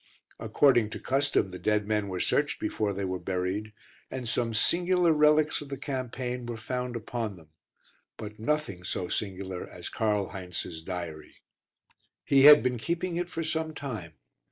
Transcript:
According to custom the dead men were searched before they were buried, and some singular relies of the campaign were found upon them, but nothing so singular as Karl Heinz's diary. He had been keeping it for some time.